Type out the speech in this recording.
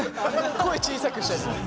声小さくしたりね。